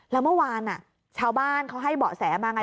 แล้วเมื่อวานชาวบ้านเขาให้เบาะแสมาไง